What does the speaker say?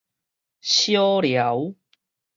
小寮